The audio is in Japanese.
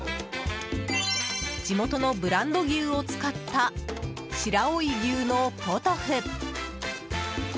地元のブランド牛を使った白老牛のポトフ。